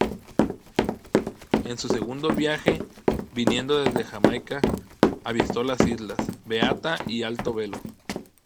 En su segundo viaje, viniendo desde Jamaica, avistó las islas: Beata y Alto Velo.